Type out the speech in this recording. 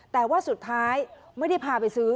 แต่ว่าสุดท้ายไม่ได้พาไปซื้อ